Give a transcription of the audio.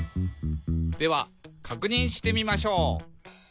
「ではかくにんしてみましょう」